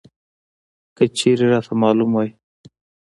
که چېرې راته معلوم وى!